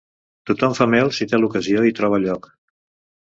Tothom fa mel si té ocasió i troba lloc.